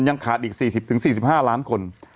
ยังขาดอีก๔๐๔๕ล้านคน